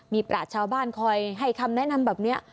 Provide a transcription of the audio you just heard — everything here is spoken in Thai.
มีประชาวบ้านคอยให้คำแนะนำแบบนี้